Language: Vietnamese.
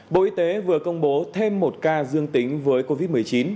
bộ y tế vừa công bố thêm một ca dương tính với covid một mươi chín